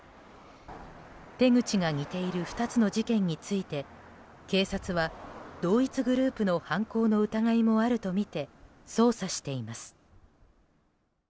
手口が似ている２つの事件について警察は同一グループの犯行の疑いもあるとみて捜査しています。